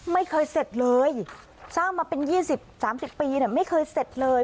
ไม่เคยเสร็จเลยสร้างมาเป็นยี่สิบสามสิบปีน่ะไม่เคยเสร็จเลย